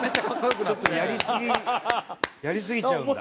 ちょっとやりすぎやりすぎちゃうんだ。